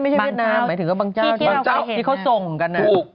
ไม่ใช่เวียดนามหมายถึงว่าบางเจ้าที่เขาส่งกันนะ